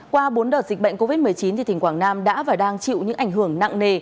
qua bốn đợt dịch bệnh covid một mươi chín tỉnh quảng nam đã và đang chịu những ảnh hưởng nặng nề